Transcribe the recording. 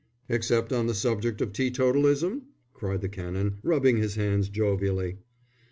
"Except on the subject of teetotalism?" cried the Canon, rubbing his hands jovially.